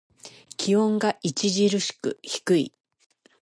気温が著しく低い。